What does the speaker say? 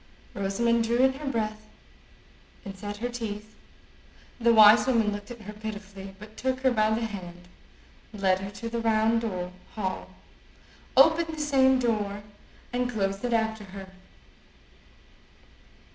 Rosamond drew in her breath, and set her teeth. The wise woman looked at her pitifully, but took her by the hand, led her to the round hall, opened the same door, and closed it after her.